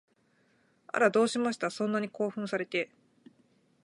あら、どうしました？そんなに興奮されて